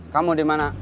kamu di mana